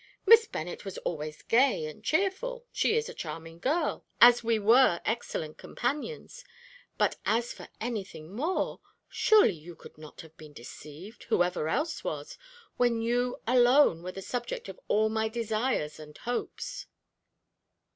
Miss Bennet was always gay and cheerful she is a charming girl, as we were excellent companions; but as for anything more surely you could not have been deceived, whoever else was, when you alone were the subject of all my desires and hopes?"